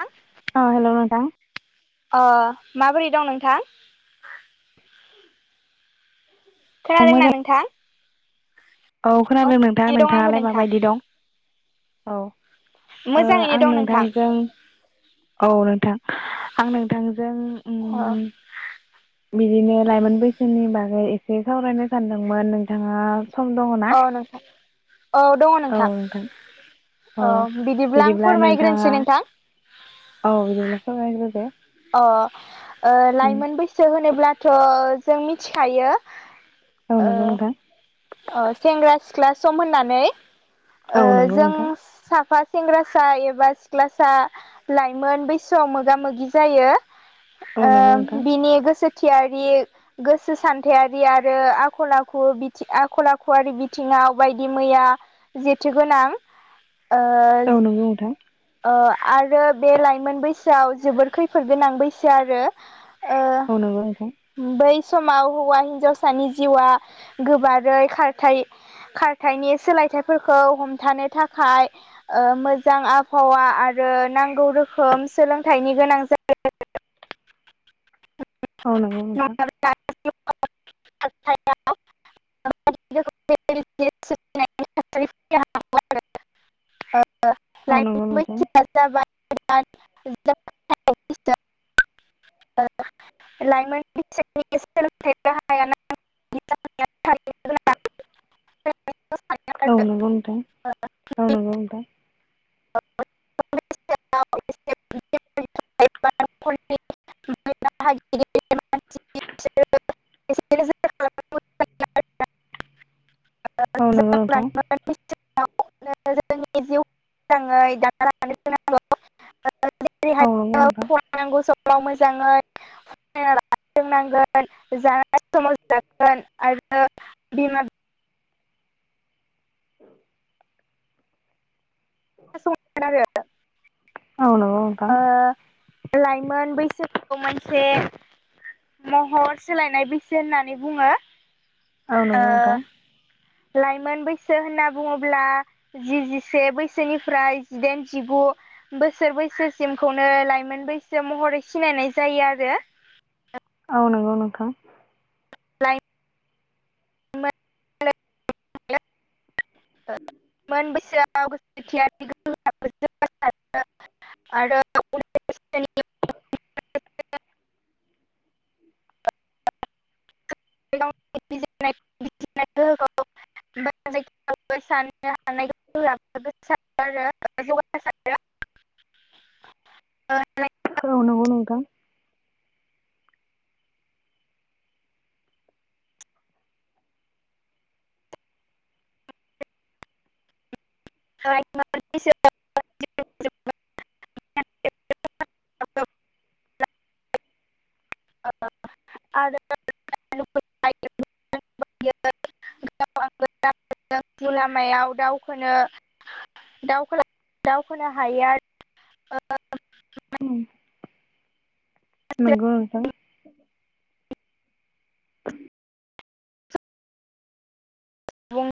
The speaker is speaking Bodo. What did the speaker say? हा औ हेलौ नोंथां। अ माबोरै दं नोंथां? औ खोनादों दोंना मोजां नोंथां? औ खोनादों नोंथां मोजाङैनो दं आंबो नोंथाङालाय नोंथां माबायदि दं औ। ओ मोजाङैनो आं दं नोंथां नोंथांजों औ नोंथां आं नोंथांजों उम अ बिदिनो लाइमोन बैसोनि बागै एसे सावरायनो सानदोंमोन नोंथाङा सम दङ ना औ नोंथां औ दङ औ नोंथां। औ आं बिदिब्ला फोरमायग्रोनोसै नोंथाङा नोंथां औ बिदिब्ला फोरमायग्रोदो। अ ओ उम लाइमोन बैसो होनोब्लाथ' जों मिथिखायो। औ ओ नंगौ नोंथां ओ सेंग्रा सिख्ला सम होननानै औ ओ नंगौ जों नोंथां साफा सेंग्रासा एबा सिख्लासा लाइमोन बैसोआव मोगा मोगि जायो। औ ओ नंगौ नोंथां बिनि गोसो थियारि गोसो सान्थायारि आरो आखल आखु बि थि आखल आखुवि बिथिङाव बायदि मैया जेथोगोनां ओ नोंगौ नोंथां। ओ आरो बे लाइमोन बैसोआव जोबोर खैफोद गोनां बैसो आरो ओ औ नंगौ नोंथां बै समाव हौवा हिन्जावसानि जिउआ गोबारै खारथाय खारथायनि सोलायथाइफोरखौ हमथानो थाखाय ओ मोजां आ बहावा आरो नांगौ रोखोम सोलोंथाइनि गोनां जायो। औ नंगौ नोंथां। नङाब्ला खारथाया [unintelligible] [inaudible] ओ औ नंगौ लायमोन नोंथां बैसोया जाबाय [unintelligible] लाइमोन बैसोनि सोलोंथाय राहायानो [unintelligible] औ नोंगौ नोंथां औ नोंगौ नोंथां। फलनि [unintelligible] [unintelligible] [unintelligible] [unintelligible] औ नंगौ नोंथां जोंनि जिउखौ मोजाङै दानना लानानै औ नोंगौ नोंथां। नांगौ समाव मोजाङै [unintelligible] नांगोन जानाय समाव जागोन आरो बिमा औ [unintelligible] औ नंगौ नोंथां ओ लाइमोन बैसोखौ मोनसे महर सोलायनाय बैसो होननानै बुङो औ नोंगौ नोंथां लाइमोन बैसो होनना बुङोब्ला जि जिसे बैसोनिफ्राय जिदाइन जिगु बोसोर बैसोसिमखौनो लाइमोन बैसो महरै सिनायनाय जायो आरो औ नंगौ नोंथां [unintelligible] मोन बैसोआव गोस थिया [unintelligible] आ आरो [unintelligible] [unintelligible] सानो हानाय गोहोआ आरो साद आरो जौगासारो [unintelligible] [unintelligible] नंगौ नोंथां [unintelligible] [unintelligible] [unintelligible] लामायाव दावखौनो दवखोनो दावखोनो हायो आरो नंगौ नोंथां बुं